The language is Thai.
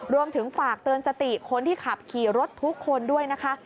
รวมถึงฝากเตือนสติคนที่ขับขี่รถทุกคนด้วยนะคะ